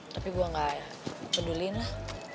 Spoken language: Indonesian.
tapi gue gak peduli lah